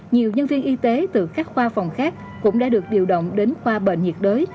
nhiều nhân viên y tế từ các khoa phòng khác cũng đã được điều động đến khoa bệnh nhiệt đới